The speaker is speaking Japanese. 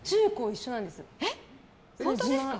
本当ですか？